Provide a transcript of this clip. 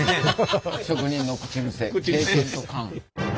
職人の口癖経験と勘。